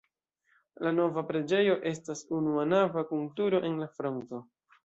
La nova preĝejo estas ununava kun turo en la fronto.